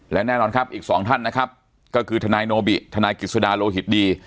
และแน่นอนครับอีกสองท่านนะครับก็คือทนายโนบิทนายกิจสดาโลหิตดี